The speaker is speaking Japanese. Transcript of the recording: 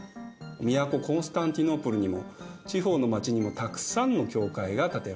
都コンスタンティノープルにも地方の街にもたくさんの教会が建てられます。